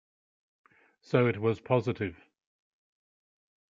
'So it was positive.